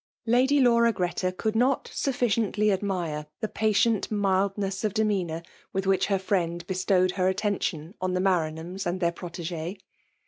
JUfidy liBWft Greta could not sufficiently admire the patient mildness of demeanour with wiuelt her 'ftierid bestowed her attention on the Mar^hams and their protegee.